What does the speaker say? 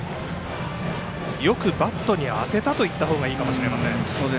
よくバットに当てたといった方がいいかもしれません。